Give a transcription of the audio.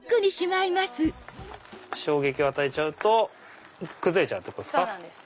衝撃を与えちゃうと崩れちゃうってことですか？